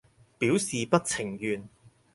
表示不情願